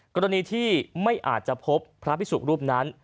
กรณีที่ไม่อาจจะพบพระพิสุรูปนั้น